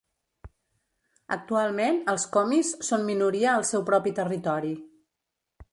Actualment, els komis són minoria al seu propi territori.